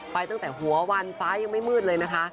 ตั้งแต่หัววันฟ้ายังไม่มืดเลยนะคะ